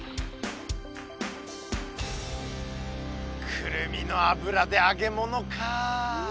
クルミの油で揚げ物かいいね。